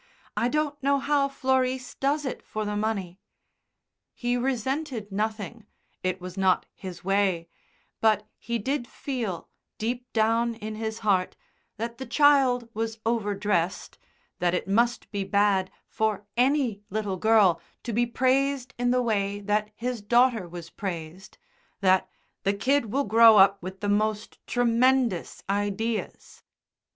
I don't know how Florice does it for the money." He resented nothing it was not his way but he did feel, deep down in his heart, that the child was over dressed, that it must be bad for any little girl to be praised in the way that his daughter was praised, that "the kid will grow up with the most tremendous ideas."